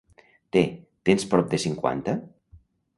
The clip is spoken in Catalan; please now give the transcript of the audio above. Té, tens prop de cinquanta?